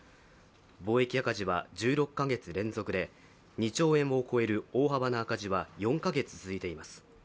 貿易赤字は１６か月連続で２兆円を超える大幅な赤字は４か月続いています。